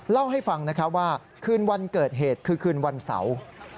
เล่าให้ฟังว่าคืนวันเกิดเหตุคือคืนวันเสาร์